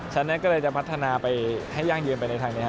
ฉะนั้นก็เลยจะพัฒนาไปให้ยั่งยืนไปในทางนี้ครับ